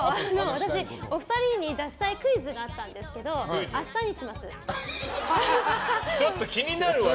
私、お二人に出したいクイズがあったんですけどちょっと気になるわ！